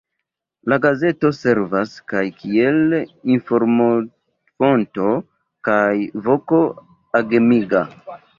La gazeto servas kaj kiel informofonto kaj voko agemiga.